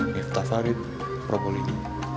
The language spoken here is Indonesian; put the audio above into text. niftah farid propoling